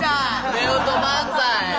夫婦漫才。